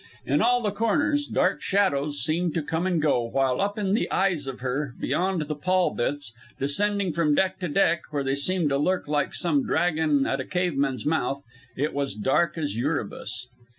In all the corners dark shadows seemed to come and go, while up in the eyes of her, beyond the pall bits, descending from deck to deck, where they seemed to lurk like some dragon at the cavern's mouth, it was dark as Erebus.